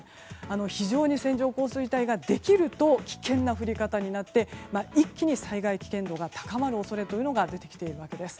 非常に線状降水帯ができると危険な降り方になって一気に災害危険度が高まる恐れが出てきているわけです。